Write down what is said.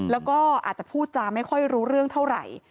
แล้วก็อาจจะพูดจาไม่ค่อยรู้เรื่องเท่าไหร่